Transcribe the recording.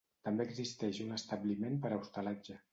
També existeix un establiment per a hostalatge.